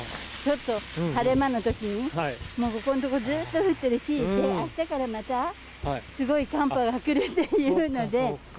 ちょっと晴れ間のときに、もうここのところ、ずっと降ってるし、あしたからまたすごい寒波が来るっていうので。